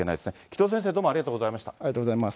城戸先生、どうもありがとうございました。